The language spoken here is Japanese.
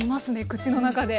口の中で。